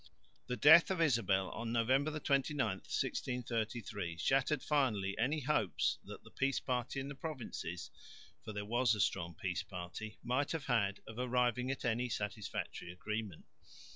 The death of Isabel on November 29, 1633, shattered finally any hopes that the peace party in the Provinces (for there was a strong peace party) might have had of arriving at any satisfactory agreement.